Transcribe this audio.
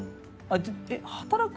「働く？」